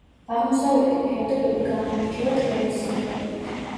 აღმოსავლეთი ფერდობები გამოირჩევა ტბების სიმრავლით.